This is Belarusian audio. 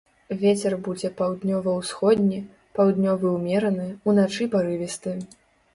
Вецер будзе паўднёва-ўсходні, паўднёвы ўмераны, уначы парывісты.